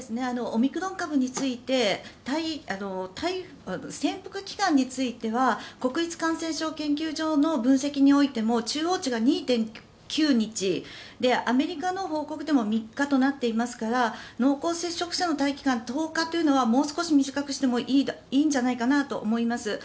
オミクロン株について潜伏期間については国立感染症研究所の分析においても中央値が２．９日アメリカの報告でも３日となっていますから濃厚接触者の待機期間１０日というのはもう少し短くしてもいいんじゃないかなと思います。